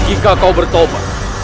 jika kau bertobat